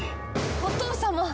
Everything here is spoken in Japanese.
お父様！